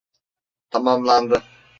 Tamamlandı.